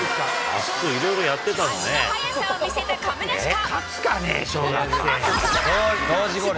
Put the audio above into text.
足の速さを見せた亀梨か。